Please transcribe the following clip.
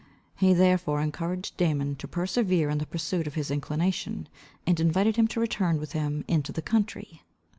He therefore encouraged Damon to persevere in the pursuit of his inclination, and invited him to return with him into the country.